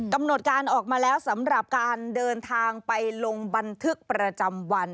กำหนดการออกมาแล้วสำหรับการเดินทางไปลงบันทึกประจำวัน